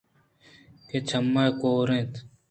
کہ چمّے ءَ کور اَت